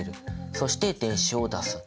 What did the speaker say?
そして電子を出す。